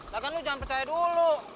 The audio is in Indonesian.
bahkan lu jangan percaya dulu